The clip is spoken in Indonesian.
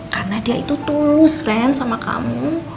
karena dia itu tulus kan sama kamu